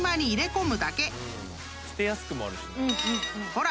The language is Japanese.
［ほら！